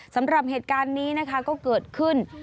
สำหรับเหตุการณ์นี้นะคะก็เกิดขึ้น